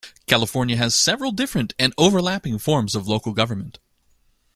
California has several different and overlapping forms of local government.